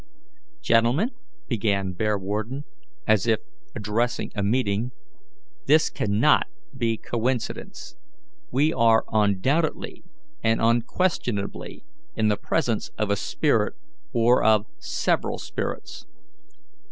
"Gentlemen, began Bearwarden, as if addressing a meeting, "this cannot be coincidence; we are undoubtedly and unquestionably in the presence of a spirit or of several spirits.